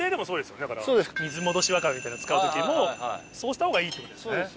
水戻しワカメみたいな使う時もそうした方がいいってことですね。